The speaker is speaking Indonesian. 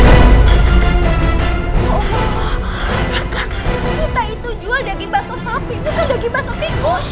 akang kita itu jual daging basuh sapi bukan daging basuh tikus